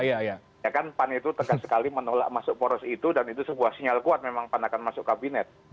ya kan pan itu tegas sekali menolak masuk poros itu dan itu sebuah sinyal kuat memang pan akan masuk kabinet